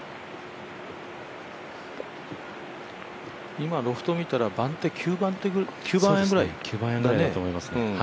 今、ロフト見たら番手、９番アイアンぐらいでしたね